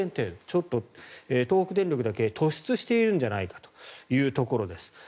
ちょっと東北電力だけ突出しているんじゃないかというところです。